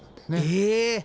え！